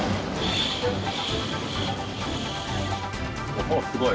おおすごい。